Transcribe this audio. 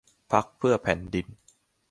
พรรคเพื่อแผ่นดิน